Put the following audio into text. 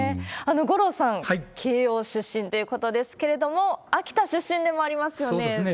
五郎さん、慶応出身ということですけれども、秋田出身でもありまそうですね。